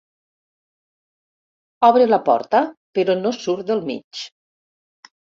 Obre la porta però no surt del mig.